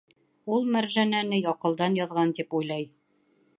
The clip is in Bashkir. Ул Мәржәнәне аҡылдан яҙған тип уйлай.